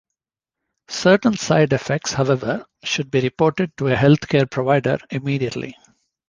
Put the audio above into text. Certain side effects, however, should be reported to a healthcare provider immediately.